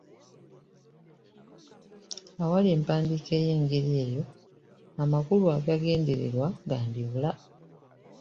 Awali empandiika ey’engeri eyo, amakulu agagendererwa gandibula.